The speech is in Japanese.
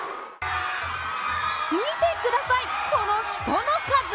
見てください、この人の数。